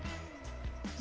dia menangis dengan kebenaran